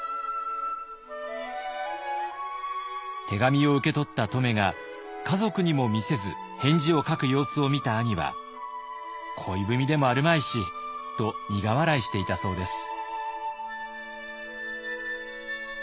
手紙を受け取った乙女が家族にも見せず返事を書く様子を見た兄は「恋文でもあるまいし」と苦笑いしていたそうです。